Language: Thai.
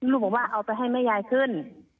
ลูกบอกว่าเอาไปให้แม่ยายขึ้น